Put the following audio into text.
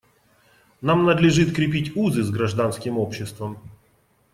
Нам надлежит крепить узы с гражданским обществом.